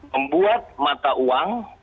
membuat mata uang